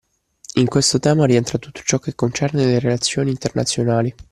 In questo tema rientra tutto ciò che concerne le relazioni internazionali